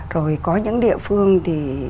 rồi có những địa phương thì